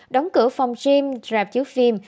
đóng cửa phòng gym